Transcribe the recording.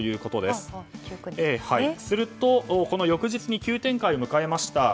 すると、この翌日に急展開を迎えました。